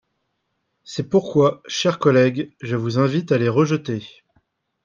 C’est pourquoi, chers collègues, je vous invite à les rejeter.